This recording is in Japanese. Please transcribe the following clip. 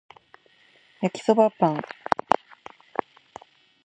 焼きそばパン